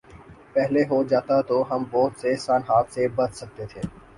پہلے ہو جاتا تو ہم بہت سے سانحات سے بچ سکتے تھے۔